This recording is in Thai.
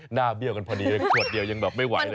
เบี้ยวกันพอดีเลยขวดเดียวยังแบบไม่ไหวเลย